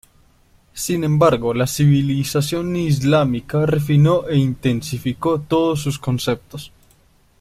Sin embargo, la civilización islámica refinó e intensificó todos estos conceptos.